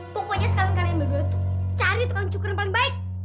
pokoknya sekalian kalian berdua tuh cari tukang cukur yang paling baik